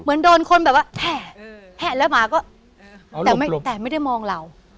เหมือนโดนคนแบบว่าแห่แห่แล้วหมาก็แต่ไม่ได้มองเรา